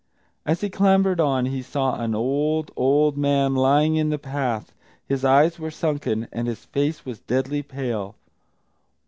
As he clambered on, he saw an old, old man lying in the path. His eyes were sunken, and his face deadly pale.